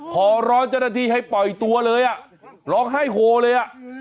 ขอร้องเจ้าหน้าที่ให้ปล่อยตัวเลยอ่ะร้องไห้โฮเลยอ่ะ